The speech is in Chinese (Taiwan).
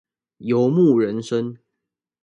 游牧人生